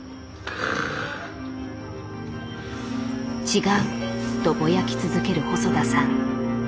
「違う」とぼやき続ける細田さん。